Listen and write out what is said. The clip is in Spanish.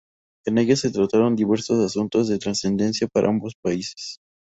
En ella se trataron diversos asuntos de trascendencia para ambos países.